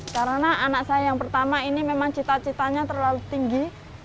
karena anak saya yang pertama ini memang cita citanya terlalu tinggi